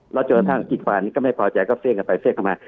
แล้วเจอทางอีกวันนี้ก็ไม่พอใจก็เส้งกันไปเส้งกันมา